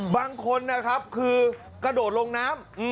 บางคนนะครับคือกระโดดลงน้ำ